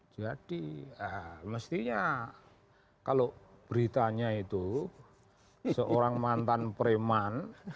jadi mestinya kalau beritanya itu seorang mantan preman